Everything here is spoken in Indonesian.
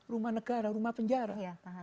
rumah negara rumah penjara